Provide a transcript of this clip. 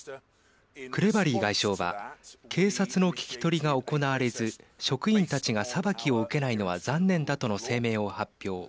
クレバリー外相は警察の聞き取りが行われず職員たちが裁きを受けないのは残念だとの声明を発表。